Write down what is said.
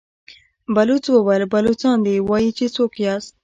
بلوڅ وويل: بلوڅان دي، وايي چې څوک ياست؟